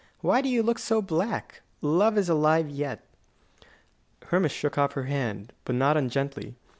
Why do you look so black? Love is alive yet." Hermas shook off her hand, but not ungently.